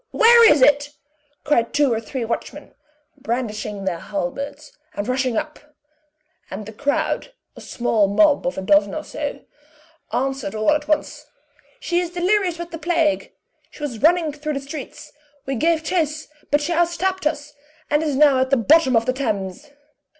Where is it?" cried two or three watchmen, brandishing their halberds, and rushing up; and the crowd a small mob of a dozen or so answered all at once: "She is delirious with the plague; she was running through the streets; we gave chase, but she out stepped us, and is now at the bottom of the Thames."